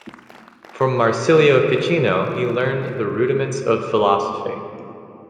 From Marsilio Ficino he learned the rudiments of philosophy.